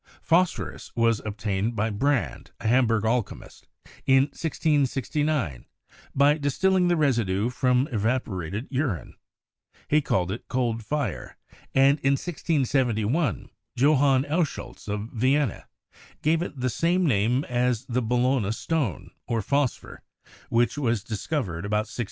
Phosphorus was obtained by Brand, a Hamburg alchemist, in 1669, by distilling the residue from evaporated urine; he called it "cold fire,'*' and in 1671 Johann Elsholtz, of Vienna, gave it the same name as the Bologna stone, or "phosphor," which was discovered about 1603.